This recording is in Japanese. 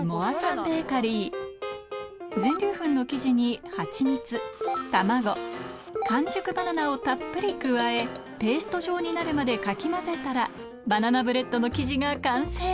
全粒粉の生地にをたっぷり加えペースト状になるまでかき混ぜたらバナナブレッドの生地が完成